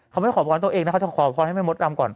เขาไม่ขอพรตัวเองนะเขาจะขอพรให้แม่มดดำก่อน